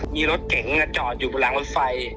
มีรถเก๋งจอดอยู่บนรางรถไฟ